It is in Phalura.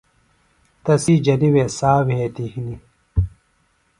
تسی جنیۡ وے سا وھیتیۡ ہنیۡ